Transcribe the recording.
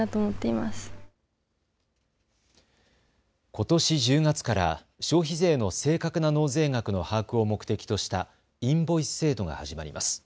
ことし１０月から消費税の正確な納税額の把握を目的としたインボイス制度が始まります。